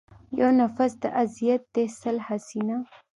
يو نٙفٙس د اذيت دې سل حسينه